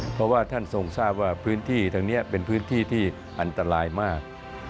เพราะว่าท่านทรงทราบว่าพื้นที่ทางนี้เป็นพื้นที่ที่อันตรายมาก